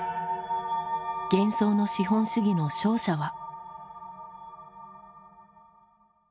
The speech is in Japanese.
「幻想の資本主義」の勝者は？